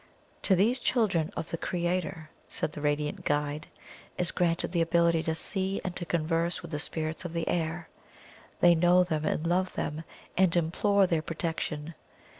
"To these children of the Creator," said that radiant guide, "is granted the ability to see and to converse with the spirits of the air. They know them and love them, and implore their protection.